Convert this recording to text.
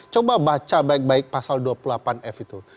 coba baca baik baik pasal dua puluh delapan f itu